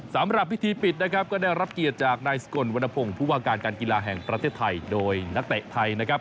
สำหรับพิธีปิดนะครับก็ได้รับเกียรติจากนายสกลวรรณพงศ์ผู้ว่าการการกีฬาแห่งประเทศไทยโดยนักเตะไทยนะครับ